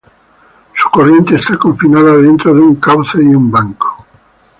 Su corriente está confinada dentro de un cauce y un banco.